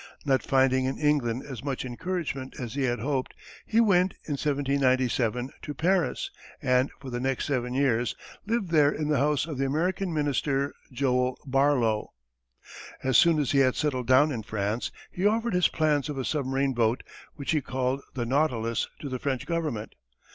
Not finding in England as much encouragement as he had hoped, he went, in 1797, to Paris and, for the next seven years, lived there in the house of the American Minister, Joel Barlow. As soon as he had settled down in France, he offered his plans of a submarine boat which he called the Nautilus to the French Government.